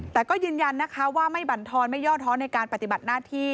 แต่ก็ยืนยันนะคะว่าไม่บรรทอนไม่ย่อท้อนในการปฏิบัติหน้าที่